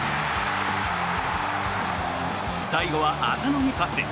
最後は浅野にパス。